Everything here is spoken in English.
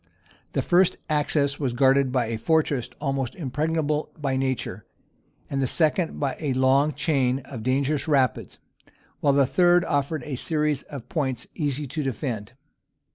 The first access was guarded by a fortress almost impregnable by nature, and the second by a long chain of dangerous rapids; while the third offered a series of points easy to defend.